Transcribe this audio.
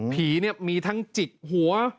ผีเนี่ยมีทั้งจิกหัว